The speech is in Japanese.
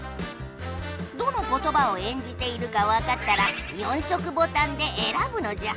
どのことばを演じているかわかったら４色ボタンでえらぶのじゃ。